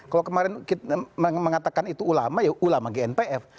kalau kemarin mengatakan itu ulama ya ulama gnpf